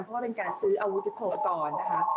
เพราะว่าเป็นการซื้ออาวุธกิจโภคก่อน